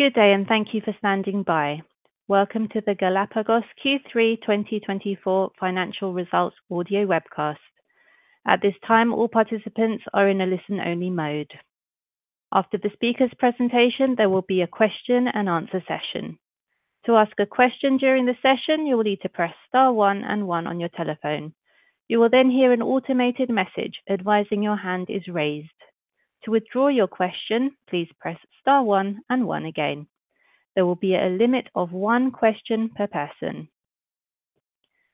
Good day, and thank you for standing by. Welcome to the Galapagos Q3 2024 Financial Results Audio Webcast. At this time, all participants are in a listen-only mode. After the speaker's presentation, there will be a question-and-answer session. To ask a question during the session, you will need to press star one and one on your telephone. You will then hear an automated message advising your hand is raised. To withdraw your question, please press star one and one again. There will be a limit of one question per person.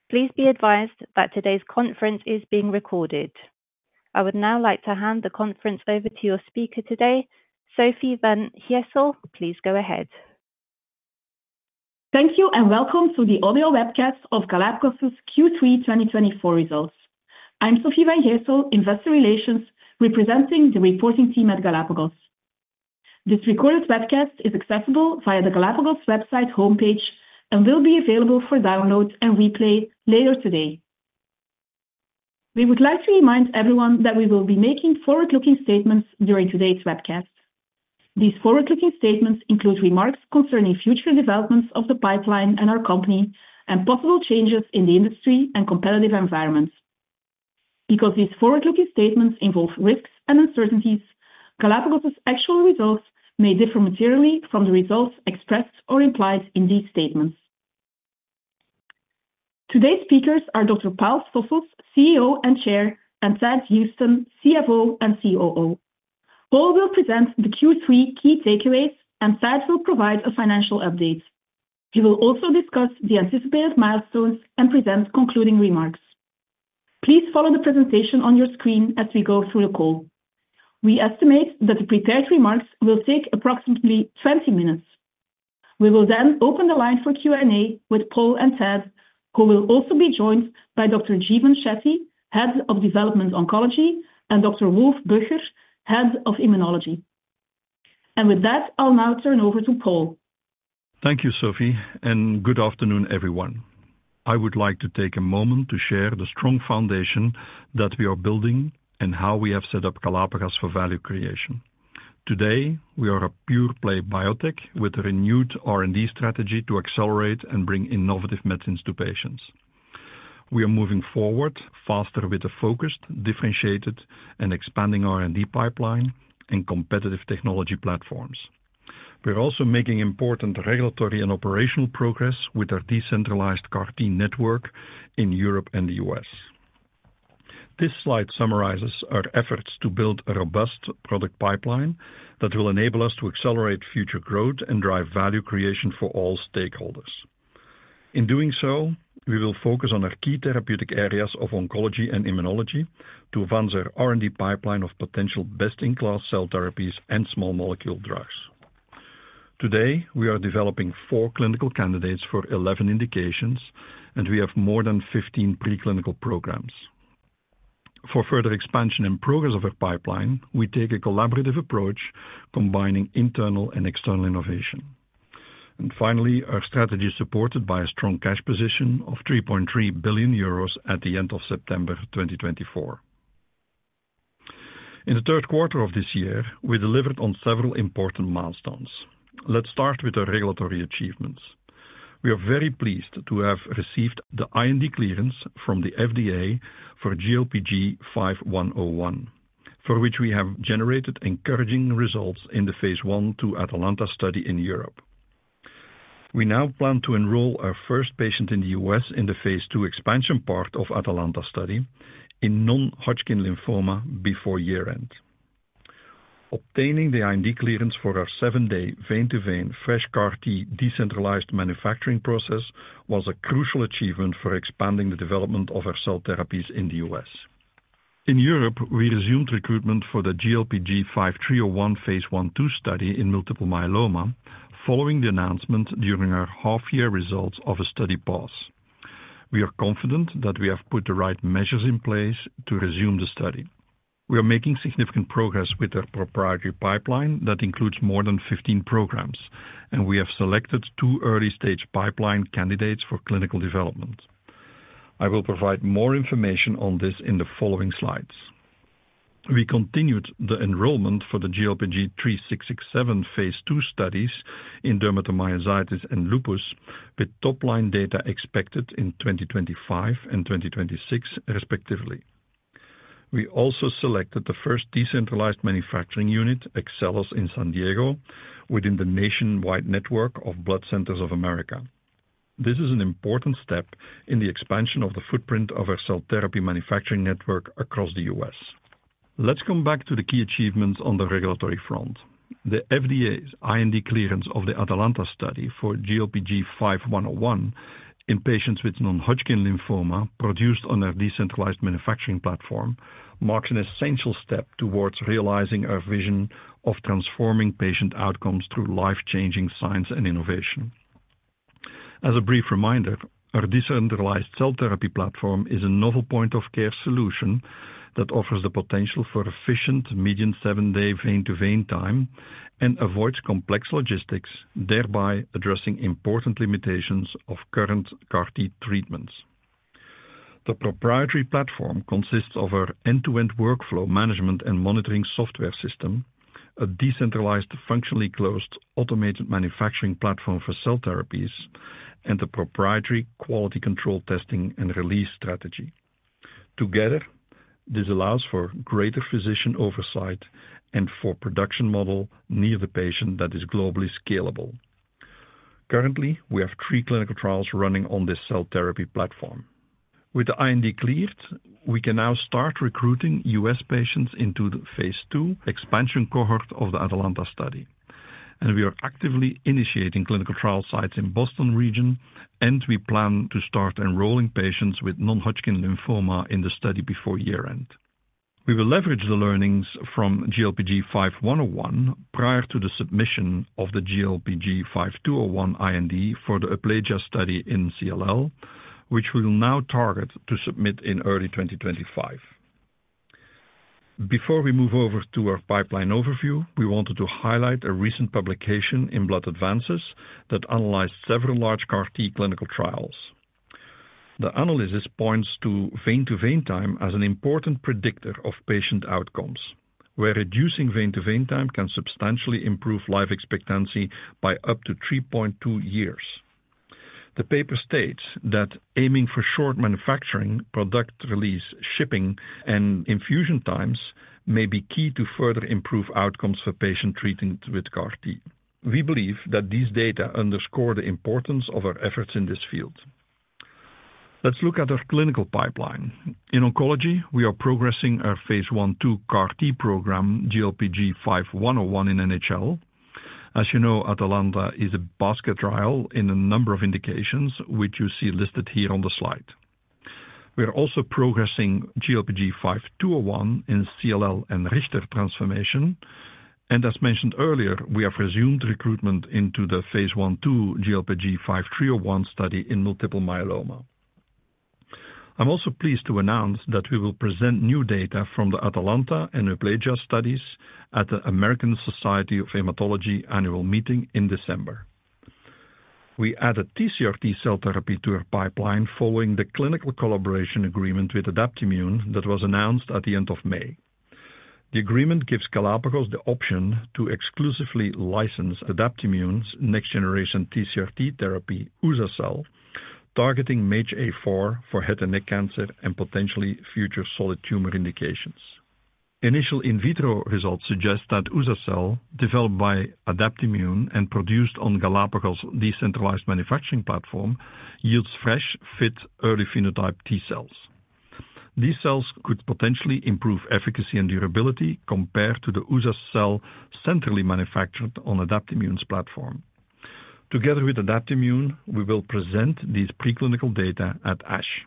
Please be advised that today's conference is being recorded. I would now like to hand the conference over to your speaker today, Sofie Van Gijsel. Please go ahead. Thank you, and welcome to the Audio Webcast of Galapagos Q3 2024 results. I'm Sofie Van Gijsel, Investor Relations, representing the reporting team at Galapagos. This recorded webcast is accessible via the Galapagos website homepage and will be available for download and replay later today. We would like to remind everyone that we will be making forward-looking statements during today's webcast. These forward-looking statements include remarks concerning future developments of the pipeline and our company, and possible changes in the industry and competitive environment. Because these forward-looking statements involve risks and uncertainties, Galapagos actual results may differ materially from the results expressed or implied in these statements. Today's speakers are Dr. Paul Stoffels, CEO and Chair, and Thad Huston, CFO and COO. Paul will present the Q3 key takeaways, and Thad will provide a financial update. He will also discuss the anticipated milestones and present concluding remarks. Please follow the presentation on your screen as we go through the call. We estimate that the prepared remarks will take approximately 20 minutes. We will then open the line for Q&A with Paul and Thad, who will also be joined by Dr. Jeevan Shetty, Head of Development Oncology, and Dr. Wulf Böcher, Head of Immunology, and with that, I'll now turn over to Paul. Thank you, Sofie, and good afternoon, everyone. I would like to take a moment to share the strong foundation that we are building and how we have set up Galapagos for value creation. Today, we are a pure-play biotech with a renewed R&D strategy to accelerate and bring innovative medicines to patients. We are moving forward faster with a focused, differentiated, and expanding R&D pipeline and competitive technology platforms. We're also making important regulatory and operational progress with our decentralized CAR-T network in Europe and the U.S. This slide summarizes our efforts to build a robust product pipeline that will enable us to accelerate future growth and drive value creation for all stakeholders. In doing so, we will focus on our key therapeutic areas of oncology and immunology to advance our R&D pipeline of potential best-in-class cell therapies and small molecule drugs. Today, we are developing four clinical candidates for 11 indications, and we have more than 15 preclinical programs. For further expansion and progress of our pipeline, we take a collaborative approach, combining internal and external innovation. Finally, our strategy is supported by a strong cash position of 3.3 billion euros at the end of September 2024. In the third quarter of this year, we delivered on several important milestones. Let's start with our regulatory achievements. We are very pleased to have received the IND clearance from the FDA for GLPG5101, for which we have generated encouraging results in the phase I/II ATALANTA-1 study in Europe. We now plan to enroll our first patient in the U.S. in the phase II expansion part of ATALANTA-1 study in non-Hodgkin lymphoma before year-end. Obtaining the IND clearance for our seven-day vein-to-vein fresh CAR-T decentralized manufacturing process was a crucial achievement for expanding the development of our cell therapies in the U.S. In Europe, we resumed recruitment for the GLPG5301 phase I/II study in multiple myeloma following the announcement during our half-year results of a study pause. We are confident that we have put the right measures in place to resume the study. We are making significant progress with our proprietary pipeline that includes more than 15 programs, and we have selected two early-stage pipeline candidates for clinical development. I will provide more information on this in the following slides. We continued the enrollment for the GLPG3667 phase II studies in dermatomyositis and lupus with top-line data expected in 2025 and 2026, respectively. We also selected the first decentralized manufacturing unit, Excellos, in San Diego within the nationwide network of Blood Centers of America. This is an important step in the expansion of the footprint of our cell therapy manufacturing network across the U.S. Let's come back to the key achievements on the regulatory front. The FDA's IND clearance of the ATALANTA-1 study for GLPG5101 in patients with non-Hodgkin lymphoma produced on our decentralized manufacturing platform marks an essential step towards realizing our vision of transforming patient outcomes through life-changing science and innovation. As a brief reminder, our decentralized cell therapy platform is a novel point-of-care solution that offers the potential for efficient median seven-day vein-to-vein time and avoids complex logistics, thereby addressing important limitations of current CAR-T treatments. The proprietary platform consists of our end-to-end workflow management and monitoring software system, a decentralized, functionally closed automated manufacturing platform for cell therapies, and a proprietary quality control testing and release strategy. Together, this allows for greater physician oversight and for a production model near the patient that is globally scalable. Currently, we have three clinical trials running on this cell therapy platform. With the IND cleared, we can now start recruiting U.S. patients into the phase II expansion cohort of the ATALANTA study, and we are actively initiating clinical trial sites in the Boston region, and we plan to start enrolling patients with non-Hodgkin lymphoma in the study before year-end. We will leverage the learnings from GLPG5101 prior to the submission of the GLPG5201 IND for the EUPLAGIA study in CLL, which we will now target to submit in early 2025. Before we move over to our pipeline overview, we wanted to highlight a recent publication in Blood Advances that analyzed several large CAR-T clinical trials. The analysis points to vein-to-vein time as an important predictor of patient outcomes, where reducing vein-to-vein time can substantially improve life expectancy by up to 3.2 years. The paper states that aiming for short manufacturing, product release, shipping, and infusion times may be key to further improve outcomes for patients treated with CAR-T. We believe that these data underscore the importance of our efforts in this field. Let's look at our clinical pipeline. In oncology, we are progressing our phase II CAR-T program, GLPG5101 in NHL. As you know, ATALANTA is a basket trial in a number of indications, which you see listed here on the slide. We are also progressing GLPG5201 in CLL and Richter transformation, and as mentioned earlier, we have resumed recruitment into the phase II GLPG5301 study in multiple myeloma. I'm also pleased to announce that we will present new data from the ATALANTA and EUPLAGIA studies at the American Society of Hematology annual meeting in December. We added TCR-T cell therapy to our pipeline following the clinical collaboration agreement with Adaptimmune that was announced at the end of May. The agreement gives Galapagos the option to exclusively license Adaptimmune's next-generation TCR-T therapy, uza-cel, targeting MAGE-A4 for head and neck cancer and potentially future solid tumor indications. Initial in vitro results suggest that uza-cel, developed by Adaptimmune and produced on Galapagos decentralized manufacturing platform, yields fresh, fit, early phenotype T-cells. These cells could potentially improve efficacy and durability compared to the uza-cel centrally manufactured on Adaptimmune's platform. Together with Adaptimmune, we will present these preclinical data at ASH.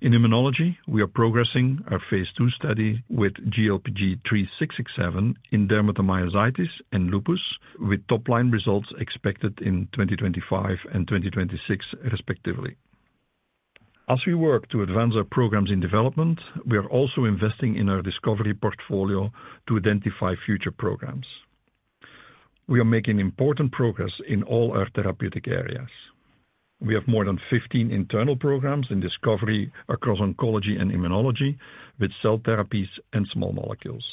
In immunology, we are progressing our phase II study with GLPG3667 in dermatomyositis and lupus, with top-line results expected in 2025 and 2026, respectively. As we work to advance our programs in development, we are also investing in our discovery portfolio to identify future programs. We are making important progress in all our therapeutic areas. We have more than 15 internal programs in discovery across oncology and immunology with cell therapies and small molecules.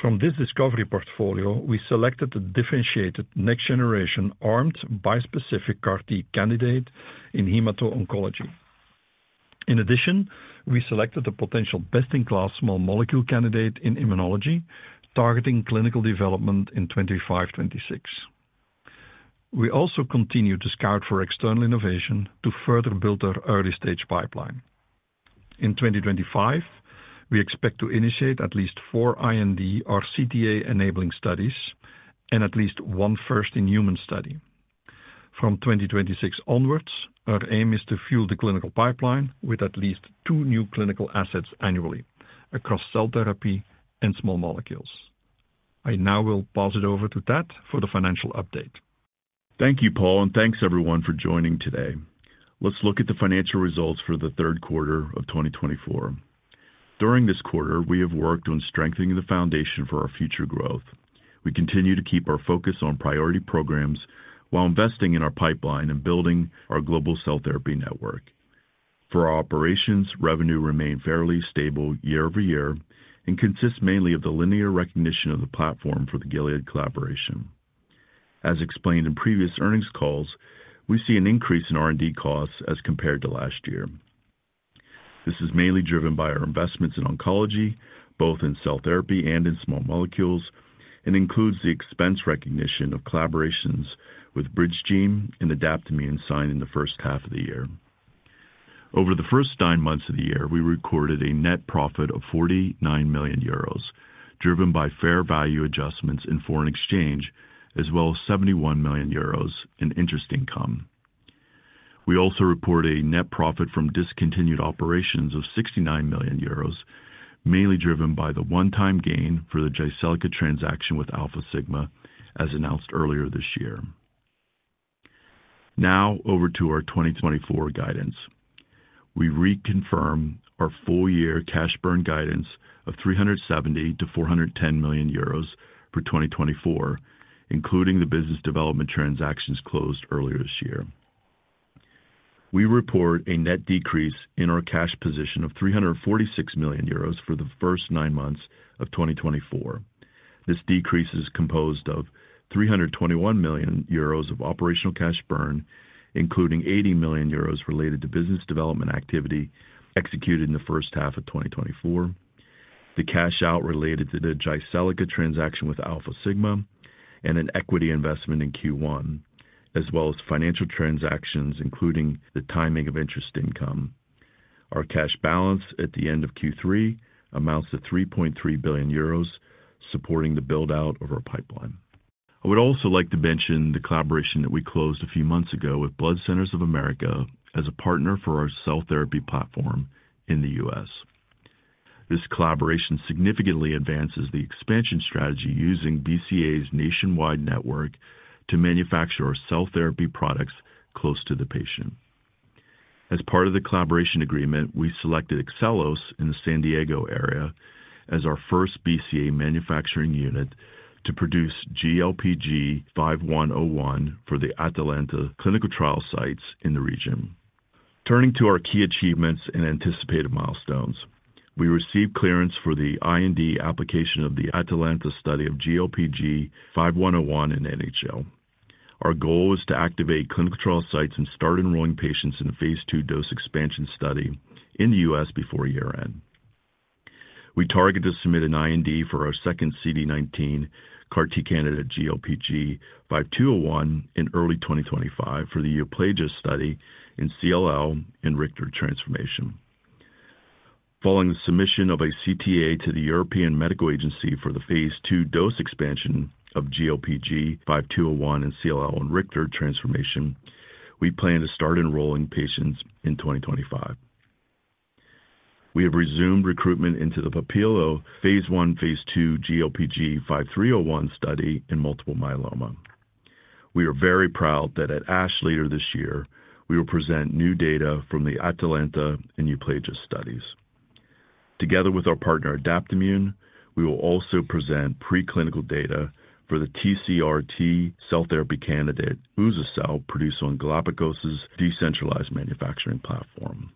From this discovery portfolio, we selected a differentiated next-generation armed bispecific CAR-T candidate in hemato-oncology. In addition, we selected a potential best-in-class small molecule candidate in immunology targeting clinical development in 2025-2026. We also continue to scout for external innovation to further build our early-stage pipeline. In 2025, we expect to initiate at least four IND or CTA-enabling studies and at least one first-in-human study. From 2026 onwards, our aim is to fuel the clinical pipeline with at least two new clinical assets annually across cell therapy and small molecules. I now will pass it over to Thad for the financial update. Thank you, Paul, and thanks everyone for joining today. Let's look at the financial results for the third quarter of 2024. During this quarter, we have worked on strengthening the foundation for our future growth. We continue to keep our focus on priority programs while investing in our pipeline and building our global cell therapy network. For our operations, revenue remained fairly stable year over year and consists mainly of the linear recognition of the platform for the Gilead collaboration. As explained in previous earnings calls, we see an increase in R&D costs as compared to last year. This is mainly driven by our investments in oncology, both in cell therapy and in small molecules, and includes the expense recognition of collaborations with BridGene and Adaptimmune signed in the first half of the year. Over the first nine months of the year, we recorded a net profit of 49 million euros, driven by fair value adjustments in foreign exchange, as well as 71 million euros in interest income. We also report a net profit from discontinued operations of 69 million euros, mainly driven by the one-time gain for the Jyseleca transaction with Alfasigma, as announced earlier this year. Now, over to our 2024 guidance. We reconfirm our four-year cash burn guidance of 370 million-410 million euros for 2024, including the business development transactions closed earlier this year. We report a net decrease in our cash position of 346 million euros for the first nine months of 2024. This decrease is composed of 321 million euros of operational cash burn, including 80 million euros related to business development activity executed in the first half of 2024, the cash out related to the Jyseleca transaction with Alfasigma, and an equity investment in Q1, as well as financial transactions, including the timing of interest income. Our cash balance at the end of Q3 amounts to 3.3 billion euros, supporting the build-out of our pipeline. I would also like to mention the collaboration that we closed a few months ago with Blood Centers of America as a partner for our cell therapy platform in the U.S. This collaboration significantly advances the expansion strategy using BCA's nationwide network to manufacture our cell therapy products close to the patient. As part of the collaboration agreement, we selected Excellos in the San Diego area as our first BCA manufacturing unit to produce GLPG5101 for the ATALANTA clinical trial sites in the region. Turning to our key achievements and anticipated milestones, we received clearance for the IND application of the ATALANTA study of GLPG5101 in NHL. Our goal is to activate clinical trial sites and start enrolling patients in the phase II dose expansion study in the U.S. before year-end. We target to submit an IND for our second CD19 CAR-T candidate GLPG5201 in early 2025 for the EUPLAGIA study in CLL and Richter transformation. Following the submission of a CTA to the European Medicines Agency for the phase II dose expansion of GLPG5201 in CLL and Richter transformation, we plan to start enrolling patients in 2025. We have resumed recruitment into the PAPILIO phase I/phase II GLPG5301 study in multiple myeloma. We are very proud that at ASH later this year, we will present new data from the ATALANTA and EUPLAGIA-1 studies. Together with our partner Adaptimmune, we will also present preclinical data for the TCR-T cell therapy candidate uza-cel, produced on Galapagos decentralized manufacturing platform.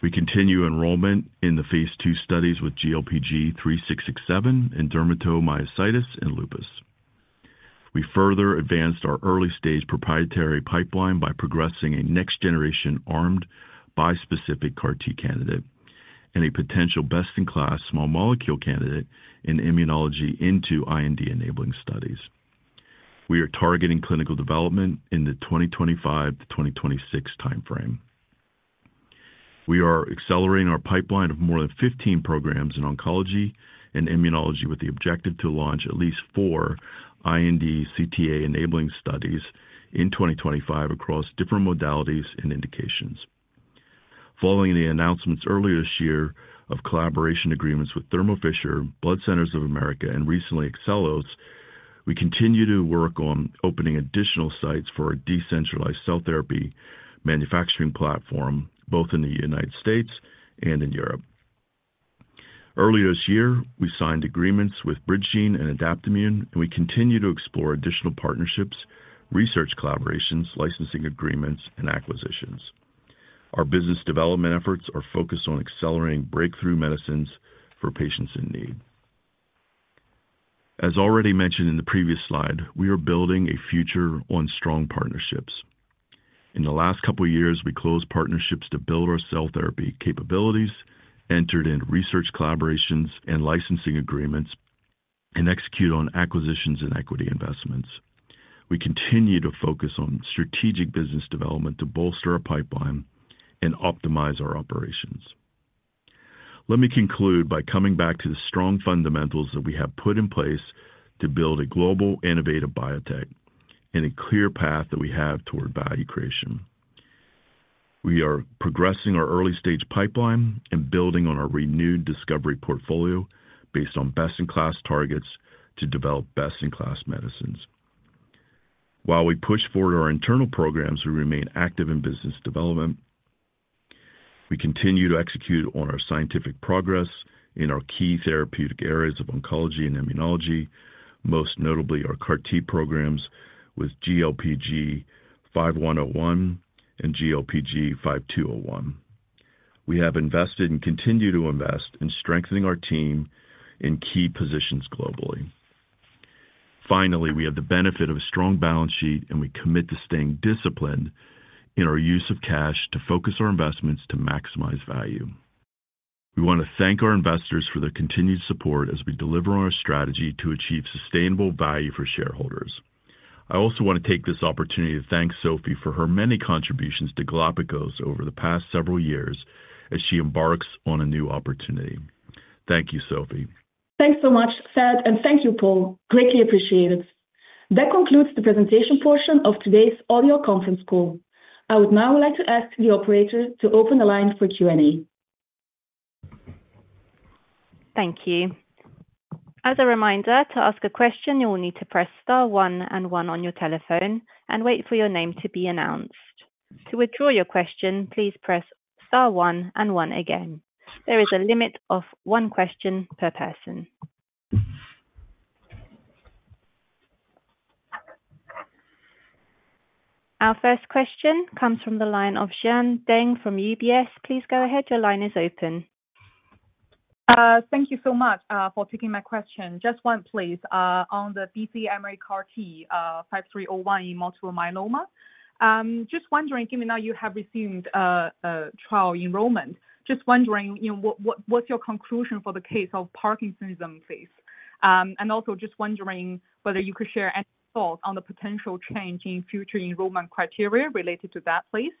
We continue enrollment in the phase II studies with GLPG3667 in dermatomyositis and lupus. We further advanced our early-stage proprietary pipeline by progressing a next-generation armed bispecific CAR-T candidate and a potential best-in-class small molecule candidate in immunology into IND-enabling studies. We are targeting clinical development in the 2025-2026 timeframe. We are accelerating our pipeline of more than 15 programs in oncology and immunology with the objective to launch at least four IND CTA-enabling studies in 2025 across different modalities and indications. Following the announcements earlier this year of collaboration agreements with Thermo Fisher, Blood Centers of America, and recently Excellos, we continue to work on opening additional sites for our decentralized cell therapy manufacturing platform, both in the United States and in Europe. Earlier this year, we signed agreements with BridGene and Adaptimmune, and we continue to explore additional partnerships, research collaborations, licensing agreements, and acquisitions. Our business development efforts are focused on accelerating breakthrough medicines for patients in need. As already mentioned in the previous slide, we are building a future on strong partnerships. In the last couple of years, we closed partnerships to build our cell therapy capabilities, entered in research collaborations and licensing agreements, and executed on acquisitions and equity investments. We continue to focus on strategic business development to bolster our pipeline and optimize our operations. Let me conclude by coming back to the strong fundamentals that we have put in place to build a global innovative biotech and a clear path that we have toward value creation. We are progressing our early-stage pipeline and building on our renewed discovery portfolio based on best-in-class targets to develop best-in-class medicines. While we push forward our internal programs, we remain active in business development. We continue to execute on our scientific progress in our key therapeutic areas of oncology and immunology, most notably our CAR-T programs with GLPG5101 and GLPG5201. We have invested and continue to invest in strengthening our team in key positions globally. Finally, we have the benefit of a strong balance sheet, and we commit to staying disciplined in our use of cash to focus our investments to maximize value. We want to thank our investors for their continued support as we deliver on our strategy to achieve sustainable value for shareholders. I also want to take this opportunity to thank Sofie for her many contributions to Galapagos over the past several years as she embarks on a new opportunity. Thank you, Sofie. Thanks so much, Thad, and thank you, Paul. Greatly appreciated. That concludes the presentation portion of today's audio conference call. I would now like to ask the operator to open the line for Q&A. Thank you. As a reminder, to ask a question, you will need to press star one and one on your telephone and wait for your name to be announced. To withdraw your question, please press star one and one again. There is a limit of one question per person. Our first question comes from the line of Xian Deng from UBS. Please go ahead. Your line is open. Thank you so much for taking my question. Just one, please. On the BCMA CAR-T 5301 in multiple myeloma, just wondering, given that you have resumed trial enrollment, just wondering, what's your conclusion for the case of parkinsonism, please? And also, just wondering whether you could share any thoughts on the potential change in future enrollment criteria related to that, please?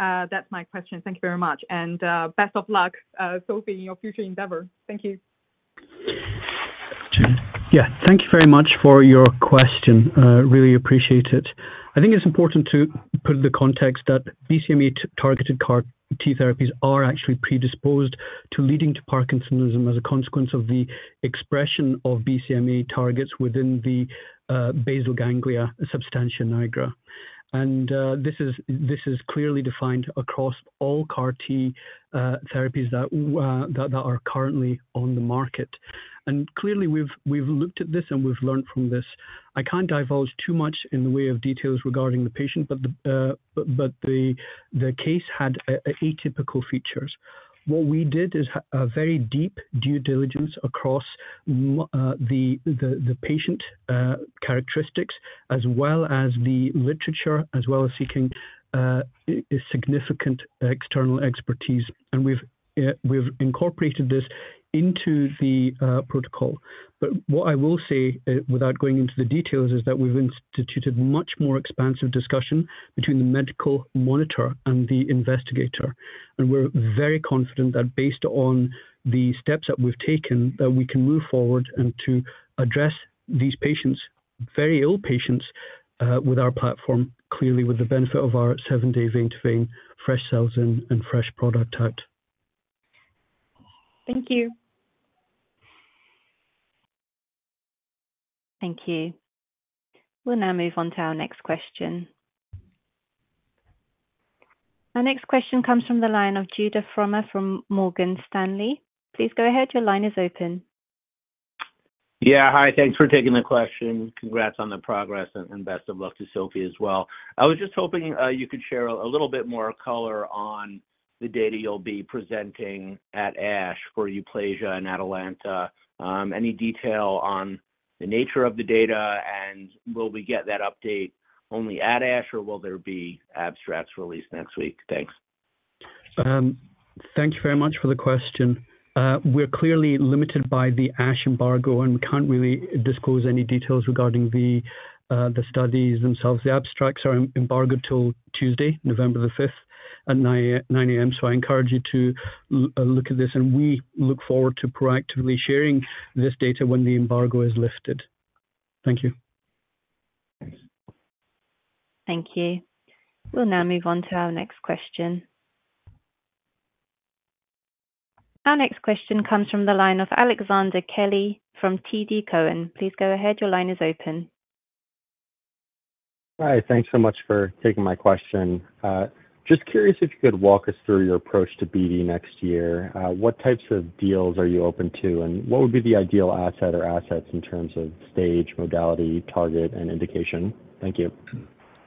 That's my question. Thank you very much. And best of luck, Sofie, in your future endeavor. Thank you. Yeah, thank you very much for your question. Really appreciate it. I think it's important to put the context that BCMA-targeted CAR-T therapies are actually predisposed to leading to parkinsonism as a consequence of the expression of BCMA targets within the basal ganglia substantia nigra. And this is clearly defined across all CAR-T therapies that are currently on the market. Clearly, we've looked at this and we've learned from this. I can't divulge too much in the way of details regarding the patient, but the case had atypical features. What we did is a very deep due diligence across the patient characteristics as well as the literature, as well as seeking significant external expertise. We've incorporated this into the protocol. But what I will say, without going into the details, is that we've instituted much more expansive discussion between the medical monitor and the investigator. We're very confident that based on the steps that we've taken, that we can move forward and to address these patients, very ill patients, with our platform, clearly with the benefit of our seven-day vein-to-vein fresh cells and fresh product type. Thank you. Thank you. We'll now move on to our next question. Our next question comes from the line of Judah Frommer from Morgan Stanley. Please go ahead. Your line is open. Yeah, hi. Thanks for taking the question. Congrats on the progress and best of luck to Sofie as well. I was just hoping you could share a little bit more color on the data you'll be presenting at ASH for EUPLAGIA and ATALANTA. Any detail on the nature of the data? And will we get that update only at ASH, or will there be abstracts released next week? Thanks. Thank you very much for the question. We're clearly limited by the ASH embargo, and we can't really disclose any details regarding the studies themselves. The abstracts are embargoed till Tuesday, November the 5th at 9:00 A.M. So I encourage you to look at this, and we look forward to proactively sharing this data when the embargo is lifted. Thank you. Thank you. We'll now move on to our next question. Our next question comes from the line of Alexander Kelly from TD Cowen. Please go ahead. Your line is open. Hi. Thanks so much for taking my question. Just curious if you could walk us through your approach to BD next year. What types of deals are you open to, and what would be the ideal asset or assets in terms of stage, modality, target, and indication? Thank you.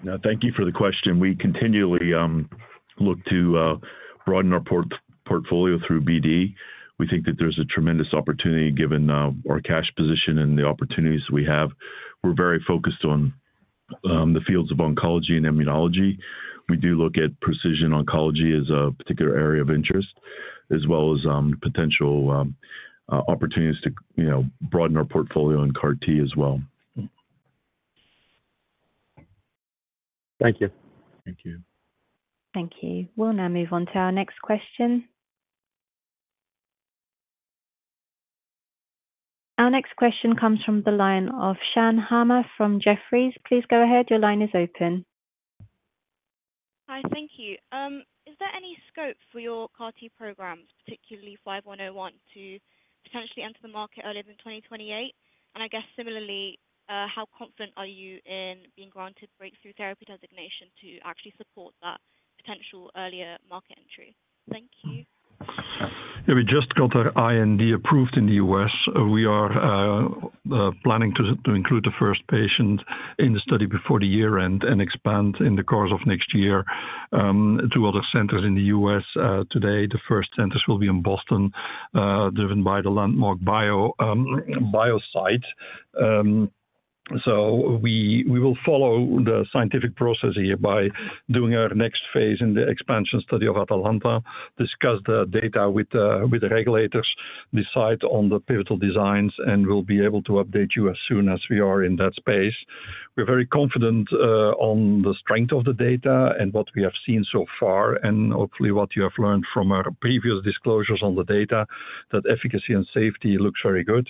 No, thank you for the question. We continually look to broaden our portfolio through BD. We think that there's a tremendous opportunity given our cash position and the opportunities we have. We're very focused on the fields of oncology and immunology. We do look at precision oncology as a particular area of interest, as well as potential opportunities to broaden our portfolio in CAR-T as well. Thank you. Thank you. Thank you. We'll now move on to our next question. Our next question comes from the line of Shan Hama from Jefferies. Please go ahead. Your line is open. Hi. Thank you. Is there any scope for your CAR-T programs, particularly 5101, to potentially enter the market earlier than 2028? And I guess, similarly, how confident are you in being granted breakthrough therapy designation to actually support that potential earlier market entry? Thank you. Yeah, we just got our IND approved in the U.S. we are planning to include the first patient in the study before the year-end and expand in the course of next year to other centers in the U.S. Today, the first centers will be in Boston, driven by the Landmark Bio site. We will follow the scientific process here by doing our next phase in the expansion study of ATALANTA, discuss the data with the regulators, decide on the pivotal designs, and we'll be able to update you as soon as we are in that space. We're very confident on the strength of the data and what we have seen so far, and hopefully what you have learned from our previous disclosures on the data, that efficacy and safety looks very good.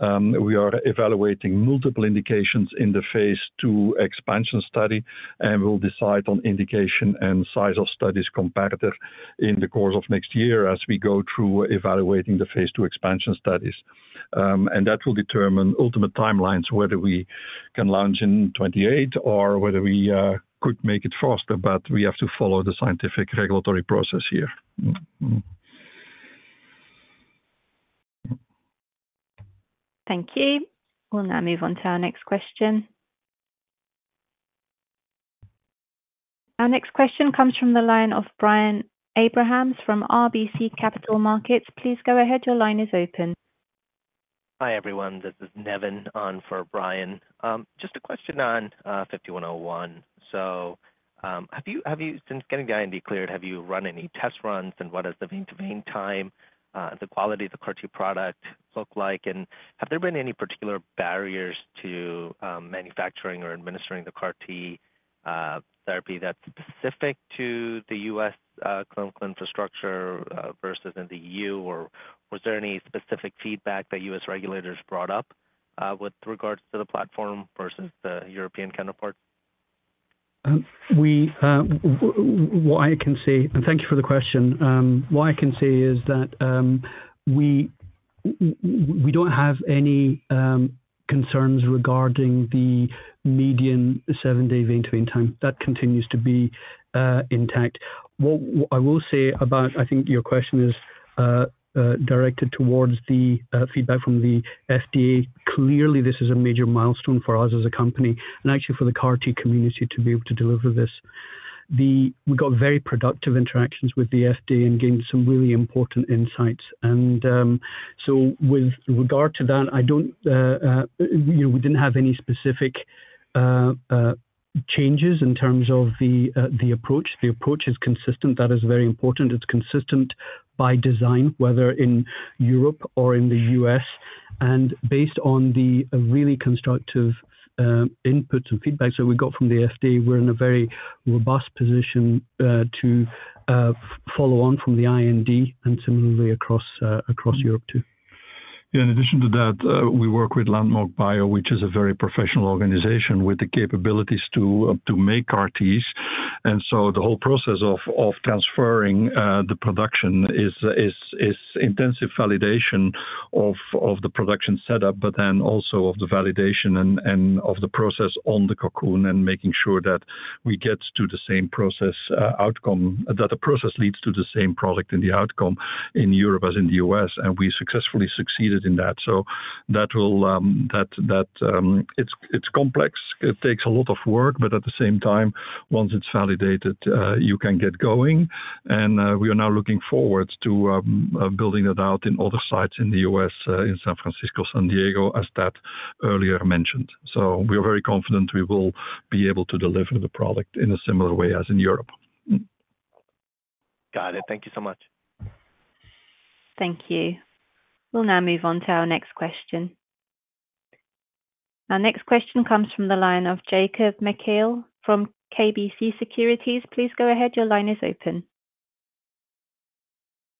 We are evaluating multiple indications in the phase II expansion study, and we'll decide on indication and size of studies comparative in the course of next year as we go through evaluating the phase II expansion studies. That will determine ultimate timelines, whether we can launch in 2028 or whether we could make it faster, but we have to follow the scientific regulatory process here. Thank you. We'll now move on to our next question. Our next question comes from the line of Brian Abrahams from RBC Capital Markets. Please go ahead. Your line is open. Hi, everyone. This is Nevin on for Brian. Just a question on 5101. So since getting the IND cleared, have you run any test runs, and what does the vein-to-vein time, the quality of the CAR-T product look like? And have there been any particular barriers to manufacturing or administering the CAR-T therapy that's specific to the U.S. clinical infrastructure versus in the E.U.? Or was there any specific feedback that U.S. regulators brought up with regards to the platform versus the European counterparts? What I can see, and thank you for the question. What I can see is that we don't have any concerns regarding the median seven-day vein-to-vein time. That continues to be intact. What I will say about, I think your question is directed towards the feedback from the FDA. Clearly, this is a major milestone for us as a company and actually for the CAR-T community to be able to deliver this. We got very productive interactions with the FDA and gained some really important insights. And so with regard to that, we didn't have any specific changes in terms of the approach. The approach is consistent. That is very important. It's consistent by design, whether in Europe or in the U.S. And based on the really constructive inputs and feedback that we got from the FDA, we're in a very robust position to follow on from the IND and similarly across Europe too. Yeah, in addition to that, we work with Landmark Bio, which is a very professional organization with the capabilities to make CAR-Ts. And so the whole process of transferring the production is intensive validation of the production setup, but then also of the validation and of the process on the Cocoon and making sure that we get to the same process outcome, that the process leads to the same product and the outcome in Europe as in the U.S. And we successfully succeeded in that. So that will, it's complex. It takes a lot of work, but at the same time, once it's validated, you can get going. And we are now looking forward to building it out in other sites in the U.S., in San Francisco, San Diego, as that earlier mentioned. So we are very confident we will be able to deliver the product in a similar way as in Europe. Got it. Thank you so much. Thank you. We'll now move on to our next question. Our next question comes from the line of Jacob Mekhael from KBC Securities. Please go ahead. Your line is open.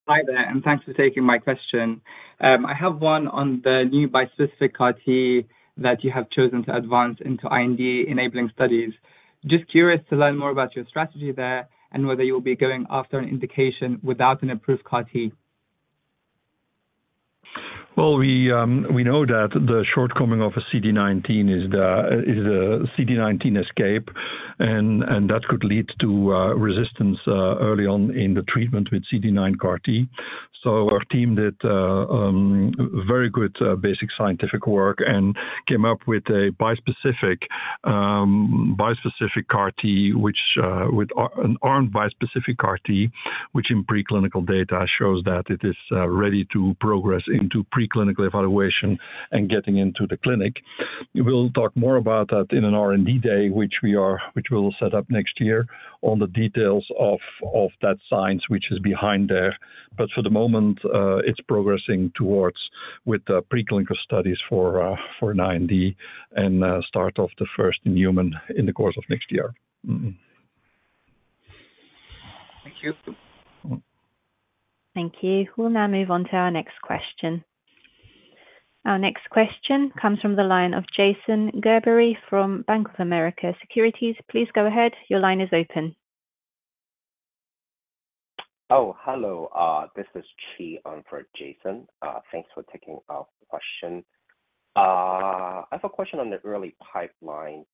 Hi there, and thanks for taking my question. I have one on the new bispecific CAR-T that you have chosen to advance into IND-enabling studies. Just curious to learn more about your strategy there and whether you will be going after an indication without an approved CAR-T? Well, we know that the shortcoming of a CD19 is a CD19 escape, and that could lead to resistance early on in the treatment with CD19 CAR-T. So our team did very good basic scientific work and came up with a bispecific CAR-T, which with an armed bispecific CAR-T, which in preclinical data shows that it is ready to progress into preclinical evaluation and getting into the clinic. We'll talk more about that in an R&D day, which we will set up next year on the details of that science, which is behind there. But for the moment, it's progressing towards with the preclinical studies for an IND and start of the first in human in the course of next year. Thank you. Thank you. We'll now move on to our next question. Our next question comes from the line of Jason Gerbery from Bank of America Securities. Please go ahead. Your line is open. Oh, hello. This is Chi Fong on for Jason. Thanks for taking our question. I have a question on the early pipeline.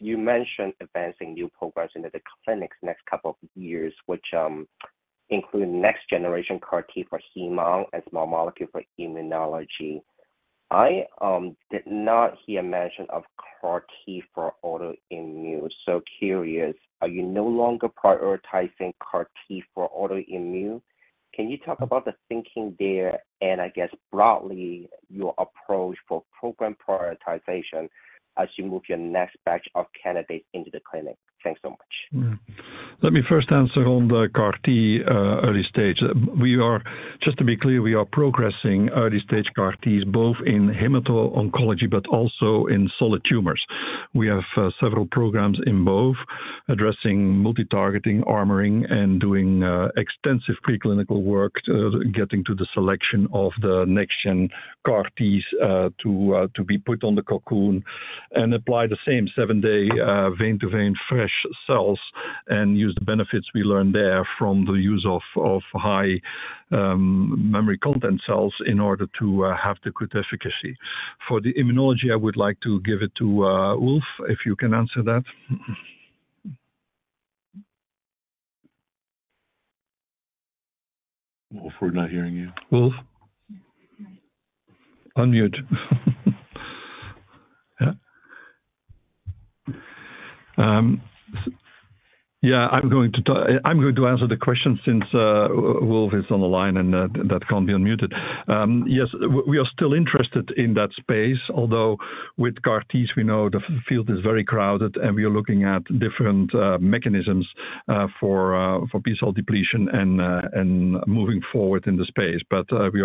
You mentioned advancing new programs into the clinics next couple of years, which include next-generation CAR-T for hemo and small molecule for immunology. I did not hear mention of CAR-T for autoimmune. So curious, are you no longer prioritizing CAR-T for autoimmune? Can you talk about the thinking there and, I guess, broadly, your approach for program prioritization as you move your next batch of candidates into the clinic? Thanks so much. Let me first answer on the CAR-T early stage. Just to be clear, we are progressing early-stage CAR-Ts both in hemato-oncology, but also in solid tumors. We have several programs in both addressing multitargeting, armoring, and doing extensive preclinical work, getting to the selection of the next-gen CAR-Ts to be put on the Cocoon and apply the same seven-day vein-to-vein fresh cells. and use the benefits we learned there from the use of high memory content cells in order to have the good efficacy. For the immunology, I would like to give it to Wulf, if you can answer that. Wulf, we're not hearing you. Wulf? Unmute. Yeah. Yeah, I'm going to answer the question since Wulf is on the line and that can't be unmuted. Yes, we are still interested in that space, although with CAR-Ts, we know the field is very crowded and we are looking at different mechanisms for B-cell depletion and moving forward in the space. But we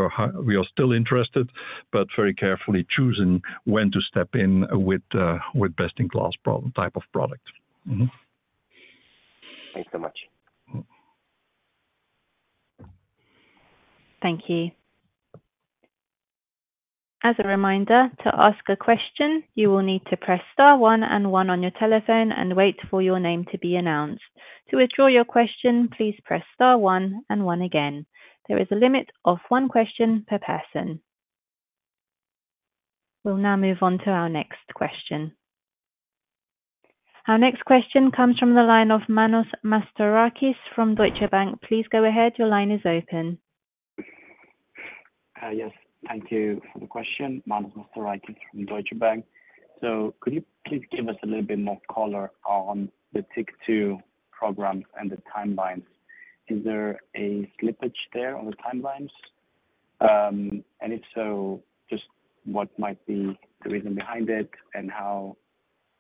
are still interested, but very carefully choosing when to step in with best-in-class type of product. Thanks so much. Thank you. As a reminder, to ask a question, you will need to press star one and one on your telephone and wait for your name to be announced. To withdraw your question, please press star one and one again. There is a limit of one question per person. We'll now move on to our next question. Our next question comes from the line of Manos Mastorakis from Deutsche Bank. Please go ahead. Your line is open. Yes. Thank you for the question. Manos Mastorakis from Deutsche Bank. So could you please give us a little bit more color on the TYK2 programs and the timelines? Is there a slippage there on the timelines? And if so, just what might be the reason behind it, and how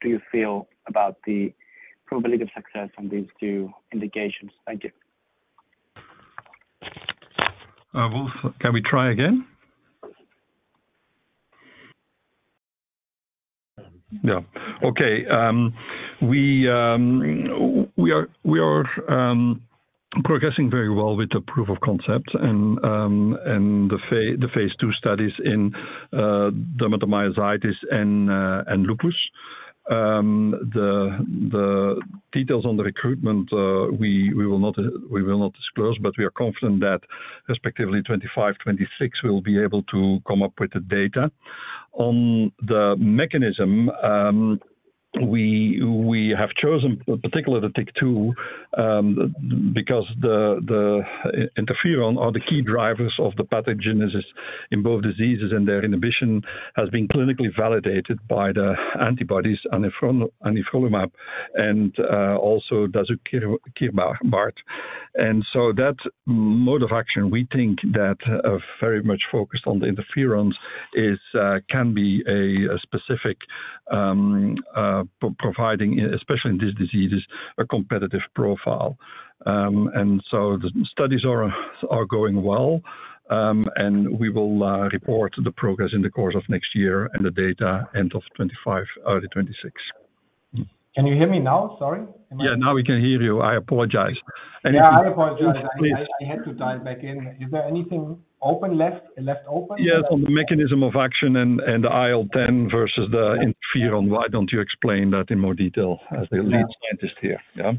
do you feel about the probability of success on these two indications? Thank you. Wulf, can we try again? Yeah. Okay. We are progressing very well with the proof of concept and the phase II studies in dermatomyositis and lupus. The details on the recruitment, we will not disclose, but we are confident that respectively 2025, 2026, we'll be able to come up with the data. On the mechanism, we have chosen particularly the TYK2 because the interferons are the key drivers of the pathogenesis in both diseases, and their inhibition has been clinically validated by the antibodies anifrolumab and also sifalimumab. And so that mode of action, we think that very much focused on the interferons can be a specific providing, especially in these diseases, a competitive profile. And so the studies are going well, and we will report the progress in the course of next year and the data end of 2025, early 2026. Can you hear me now? Sorry. Yeah, now we can hear you. I apologize. Yeah, I apologize. I had to dial back in. Is there anything open left? Left open? Yes, on the mechanism of action and the IL-10 versus the interferon. Why don't you explain that in more detail as the lead scientist here? Yeah,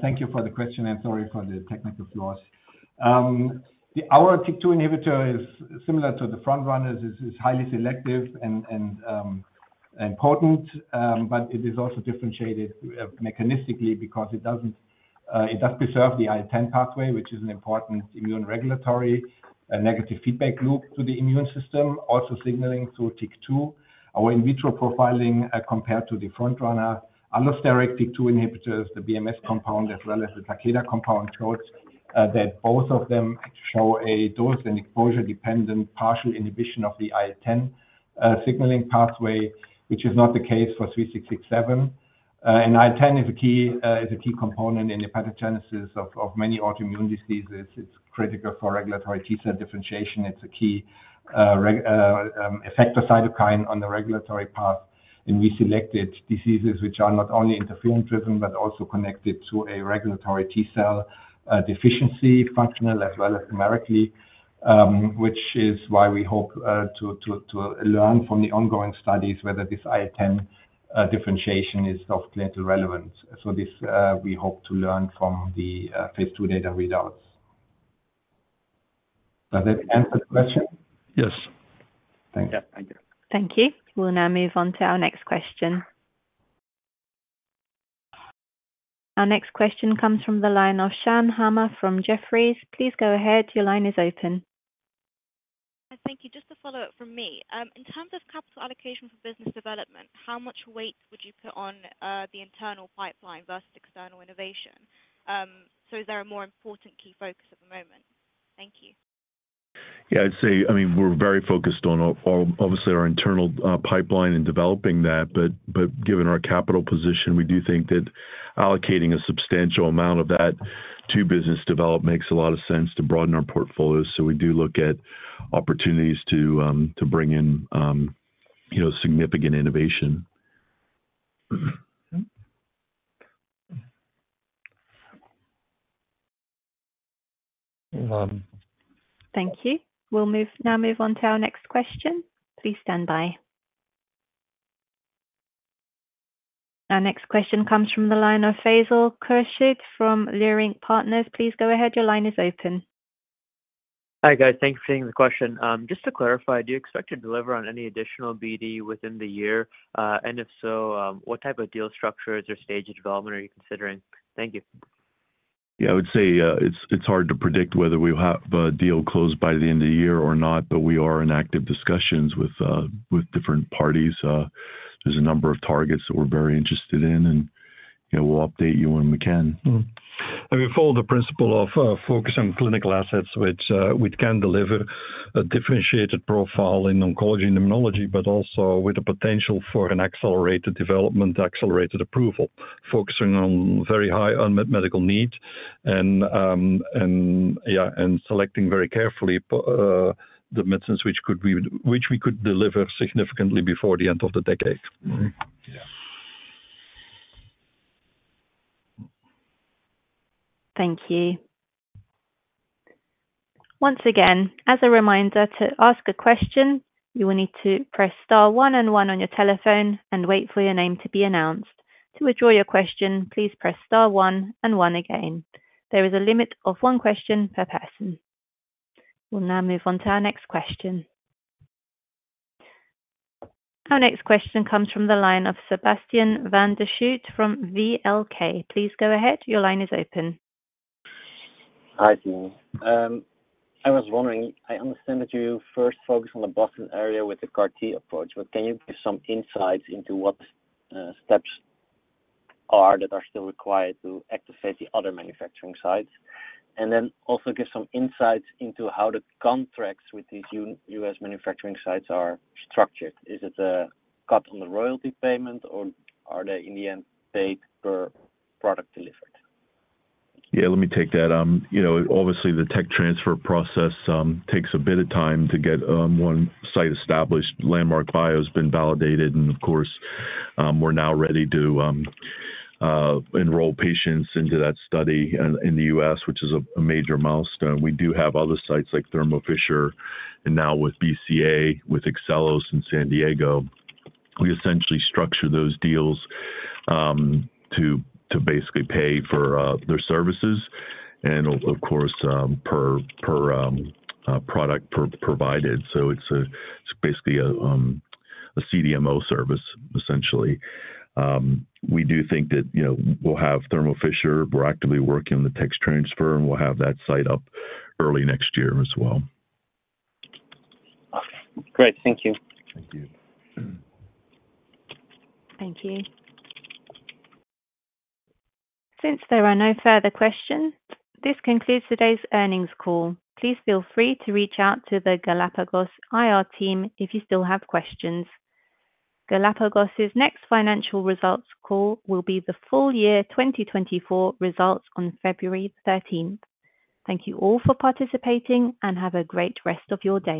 thank you for the question, and sorry for the technical flaws. Our TYK2 inhibitor is similar to the front runners. It is highly selective and important, but it is also differentiated mechanistically because it does preserve the IL-10 pathway, which is an important immune regulatory, a negative feedback loop to the immune system, also signaling through TYK2. Our in vitro profiling compared to the front runner, allosteric TYK2 inhibitors, the BMS compound as well as the Takeda compound showed that both of them show a dose and exposure-dependent partial inhibition of the IL-10 signaling pathway, which is not the case for 3667. And IL-10 is a key component in the pathogenesis of many autoimmune diseases. It's critical for regulatory T-cell differentiation. It's a key effector cytokine on the regulatory path. We selected diseases which are not only interferon-driven, but also connected to a regulatory T-cell deficiency, functional as well as numerically, which is why we hope to learn from the ongoing studies whether this IL-10 differentiation is of clinical relevance. We hope to learn from the phase II data results. Does that answer the question? Yes. Thank you. Yeah, thank you. Thank you. We'll now move on to our next question. Our next question comes from the line of Shan Hama from Jefferies. Please go ahead. Your line is open. Thank you. Just a follow-up from me. In terms of capital allocation for business development, how much weight would you put on the internal pipeline versus external innovation? So is there a more important key focus at the moment? Thank you. Yeah, I'd say, I mean, we're very focused on, obviously, our internal pipeline and developing that. But given our capital position, we do think that allocating a substantial amount of that to business development makes a lot of sense to broaden our portfolio. So we do look at opportunities to bring in significant innovation. Thank you. We'll now move on to our next question. Please stand by. Our next question comes from the line of Faisal Khurshid from Leerink Partners. Please go ahead. Your line is open. Hi, guys. Thanks for taking the question. Just to clarify, do you expect to deliver on any additional BD within the year? And if so, what type of deal structure is your stage of development are you considering? Thank you. Yeah, I would say it's hard to predict whether we have a deal closed by the end of the year or not, but we are in active discussions with different parties. There's a number of targets that we're very interested in, and we'll update you when we can. I mean, follow the principle of focusing on clinical assets, which can deliver a differentiated profile in oncology and immunology, but also with a potential for an accelerated development, accelerated approval, focusing on very high unmet medical needs and selecting very carefully the medicines which we could deliver significantly before the end of the decade. Thank you. Once again, as a reminder to ask a question, you will need to press star one and one on your telephone and wait for your name to be announced. To withdraw your question, please press star one and one again. There is a limit of one question per person. We'll now move on to our next question. Our next question comes from the line of Sebastiaan van der Schoot from VLK. Please go ahead. Your line is open. Hi. I was wondering, I understand that you first focused on the Boston area with the CAR-T approach, but can you give some insights into what steps are still required to activate the other manufacturing sites? And then also give some insights into how the contracts with these U.S. manufacturing sites are structured. Is it a cut on the royalty payment, or are they in the end paid per product delivered? Yeah, let me take that. Obviously, the tech transfer process takes a bit of time to get one site established. Landmark Bio has been validated, and of course, we're now ready to enroll patients into that study in the U.S., which is a major milestone. We do have other sites like Thermo Fisher and now with BCA, with Excellos in San Diego. We essentially structure those deals to basically pay for their services and, of course, per product provided. So it's basically a CDMO service, essentially. We do think that we'll have Thermo Fisher. We're actively working on the tech transfer, and we'll have that site up early next year as well. Okay. Great. Thank you. Thank you. Thank you. Since there are no further questions, this concludes today's earnings call. Please feel free to reach out to the Galapagos IR team if you still have questions. Galapagos next financial results call will be the full year 2024 results on February 13th. Thank you all for participating and have a great rest of your day.